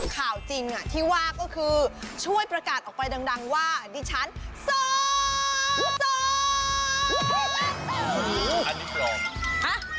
ข่าวจริงที่ว่าก็คือช่วยประกาศออกไปดังว่าดิฉัน